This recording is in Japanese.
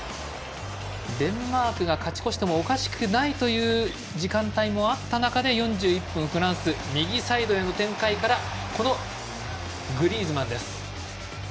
デンマークが勝ち越してもおかしくないという時間帯もあった中で４１分、フランス右サイドへの展開からグリーズマンです。